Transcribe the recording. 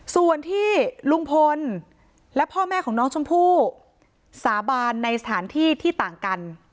ส่วนที่ลุงพลและพ่อแม่ของน้องชมพู่สาบานในสถานที่ที่ต่างกัน